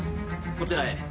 こちらへ。